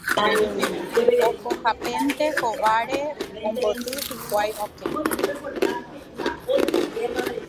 Ohohápente hóvare omboty hikuái okẽ.